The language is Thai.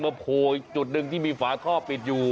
มาโผล่จุดนึงที่มีฝาท่อปิดอยู่